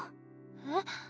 えっ？